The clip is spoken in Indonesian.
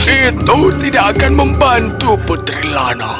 itu tidak akan membantu putri lana